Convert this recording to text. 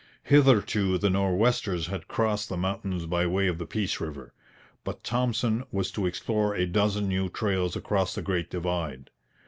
Hitherto the Nor'westers had crossed the mountains by way of the Peace river. But Thompson was to explore a dozen new trails across the Great Divide.